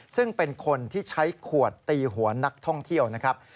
ซึ่งเป็นคนที่ใช้ขวดตีหัวนักท่องเที่ยวนะครับ